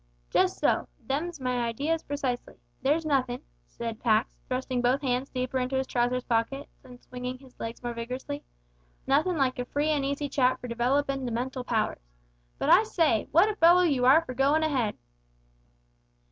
"Just so; them's my ideas precisely. There's nothin'," said Pax, thrusting both hands deeper into his trousers pockets, and swinging his legs more vigorously "nothin' like a free an' easy chat for developin' the mental powers. But I say, what a fellow you are for goin' ahead!